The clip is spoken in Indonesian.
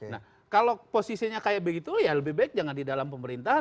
nah kalau posisinya kayak begitu ya lebih baik jangan di dalam pemerintahan